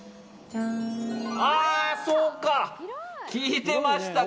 そうか、聞いてました。